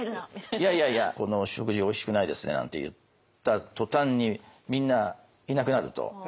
「この食事おいしくないですね」なんて言った途端にみんないなくなると。